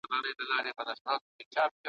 پوهني علمي بنسټ